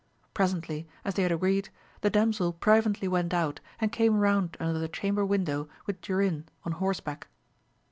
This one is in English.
Presently, as they had agreed, the damsel privately went out and came round under the chamber window with Durin on horseback.